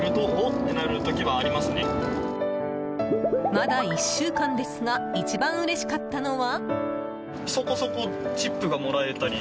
まだ１週間ですが一番うれしかったのは？